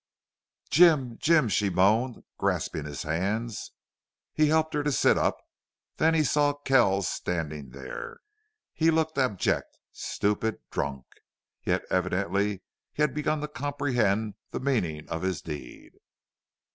"Jim! Jim!" she moaned, grasping his hands. He helped her to sit up. Then she saw Kells standing there. He looked abject, stupid, drunk. Yet evidently he had begun to comprehend the meaning of his deed.